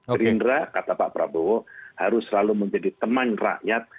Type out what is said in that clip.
gerindra kata pak prabowo harus selalu menjadi teman rakyat